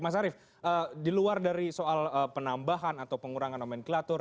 mas arief di luar dari soal penambahan atau pengurangan nomenklatur